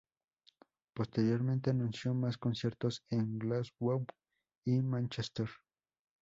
Posteriormente, anunció más conciertos en Glasgow y Mánchester.